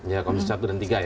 ya komisi satu dan tiga ya